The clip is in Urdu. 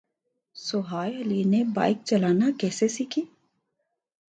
سوہائے علی نے بائیک چلانا کیسے سیکھی